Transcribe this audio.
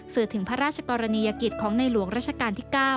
สื่อถึงพระราชกรณียกิจของในหลวงราชการที่๙